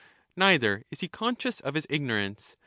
Neither is he con scious of his ignorance.